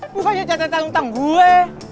bukannya catatan hutang gue